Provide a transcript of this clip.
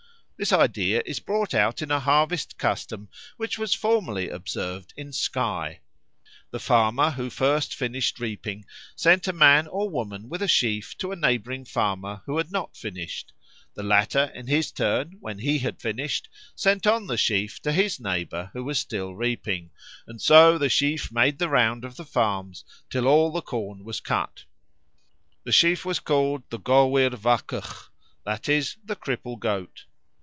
This idea is brought out in a harvest custom which was formerly observed in Skye. The farmer who first finished reaping sent a man or woman with a sheaf to a neighbouring farmer who had not finished; the latter in his turn, when he had finished, sent on the sheaf to his neighbour who was still reaping; and so the sheaf made the round of the farms till all the corn was cut. The sheaf was called the goabbir bhacagh, that is, the Cripple Goat.